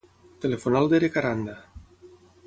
Telefona al Derek Aranda.